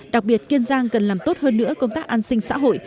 đặc biệt kiên giang cần làm tốt hơn nữa công tác an sinh xã hội